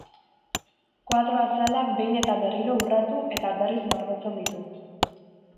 Koadro-azalak behin eta berriro urratu eta berriz margotzen ditu.